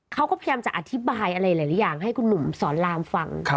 เขาก็พยายามจะอธิบายอะไรหลายอย่างให้คุณหนุ่มสอนรามฟัง